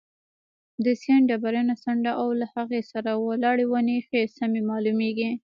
د سیند ډبرینه څنډه او له هغې سره ولاړې ونې ښه سمې معلومېدې.